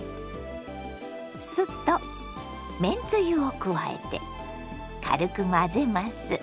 酢とめんつゆを加えて軽く混ぜます。